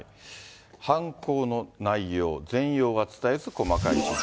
犯行の内容、全容は伝えず、細かい指示。